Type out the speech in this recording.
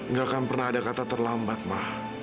gak akan pernah ada kata terlambat ma